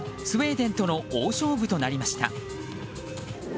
スウェーデンとの大勝負となりました。